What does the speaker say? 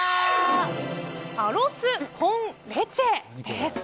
アロス・コン・レチェです。